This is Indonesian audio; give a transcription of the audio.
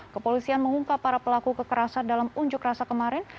kepolisian mengungkap para pelaku kekerasan dalam unjuk rasa kemarin